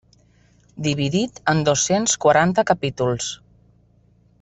Dividit en dos-cents quaranta capítols.